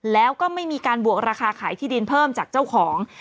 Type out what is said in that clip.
แล้วก็ไม่มีการบวกราคาขายที่ดินเพิ่มจากเจ้าของ